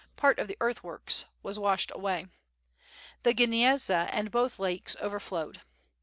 Part of the earthworks was washed away. The Gniezna and both lakes overflowed.